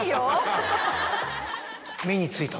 目についた。